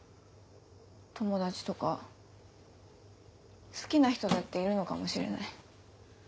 友達とか好きな人だっているのかもしれない。